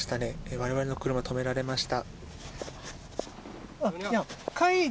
我々の車、止められました。